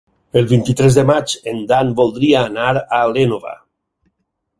El vint-i-tres de maig en Dan voldria anar a l'Énova.